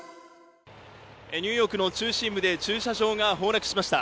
ニューヨークの中心部で駐車場が崩落しました。